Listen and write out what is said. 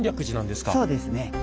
そうですね。